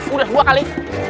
udah sebuah kali